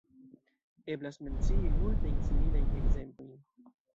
Eblas mencii multajn similajn ekzemplojn.